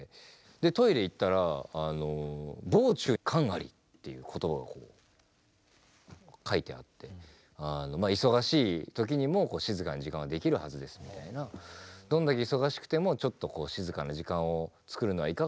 トイレ行ったら「忙中閑あり」っていう言葉が書いてあって忙しい時にも静かな時間はできるはずですみたいなどんだけ忙しくてもちょっと静かな時間を作るのはいかがですか？